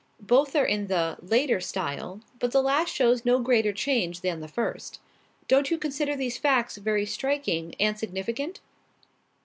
Both are in the 'later style,' but the last shows no greater change than the first. Don't you consider these facts very striking and significant?"